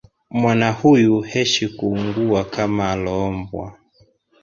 Mwana huyu heshi kuuguwa kama aloombwa